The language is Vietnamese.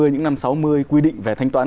những năm sáu mươi quy định về thanh toán